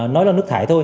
nói là nước thải thôi